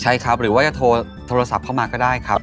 ใช่ครับหรือว่าจะโทรศัพท์เข้ามาก็ได้ครับ